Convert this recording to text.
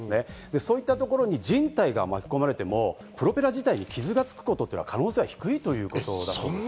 そういったところに靭帯が巻き込まれても、プロペラ自体に傷がつく可能性は低いということです。